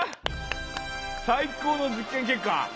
最高の実験結果。